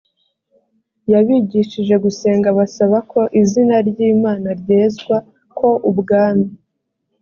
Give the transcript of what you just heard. yabigishije gusenga basaba ko izina ry imana ryezwa ko ubwami